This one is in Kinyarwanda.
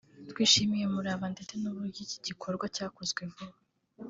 twishimiye umurava ndetse n’uburyo iki gikorwa cyakozwe vuba